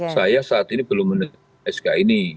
saya saat ini belum menerima sk ini